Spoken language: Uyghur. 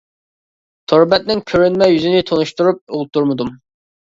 تور بەتنىڭ كۆرۈنمە يۈزىنى تونۇشتۇرۇپ ئولتۇرمىدىم.